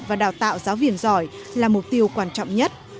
và đào tạo giáo viên giỏi là mục tiêu quan trọng nhất